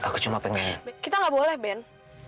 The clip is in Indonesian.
aku cuma pengen kita nggak boleh ben